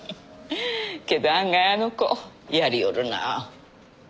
けど案外あの子やりよるなあ。